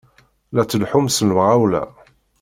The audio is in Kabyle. La tleḥḥum s lemɣawla!